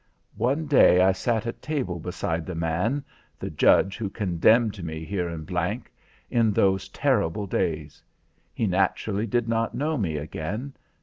One day I sat at table beside the man the Judge who condemned me, here in G in those terrible days. He naturally did not know me again.